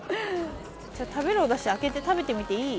食べるおだし開けて食べてみていい？